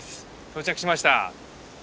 到着しました。